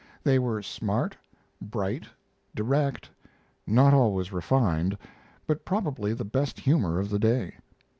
They were smart, bright, direct, not always refined, but probably the best humor of the day.